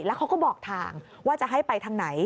แล้วเขาก็บอกทางว่าจะให้ไปทางไหน